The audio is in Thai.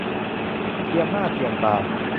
เทียมหน้าเทียมตา